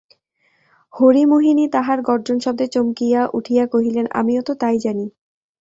হরিমোহিনী তাহার গর্জনশব্দে চমকিয়া উঠিয়া কহিলেন, আমিও তো তাই জানি।